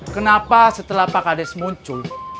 kenapa setelah pak kades muncul